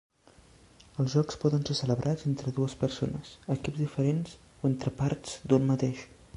Els jocs poden ser celebrats entre dues persones, equips diferents o entre parts d'un mateix.